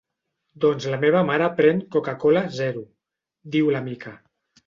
Doncs la meva mare pren coca-cola Zero —diu la Mica.